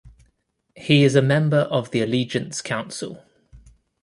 He is a member of the Allegiance Council.